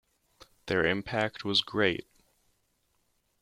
Their impact was great.